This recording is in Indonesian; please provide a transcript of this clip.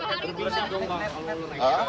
berbisa dong pak